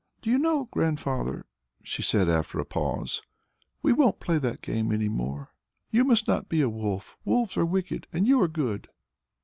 "Do you know, Grandfather," she said after a pause, "we won't play that game any more. You must not be a wolf. Wolves are wicked and you are good."